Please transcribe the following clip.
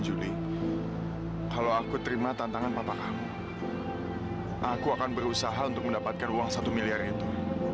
juli kalau aku terima tantangan bapak kamu aku akan berusaha untuk mendapatkan uang satu miliar itu